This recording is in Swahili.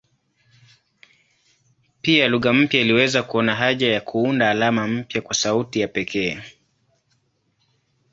Pia lugha mpya iliweza kuona haja ya kuunda alama mpya kwa sauti ya pekee.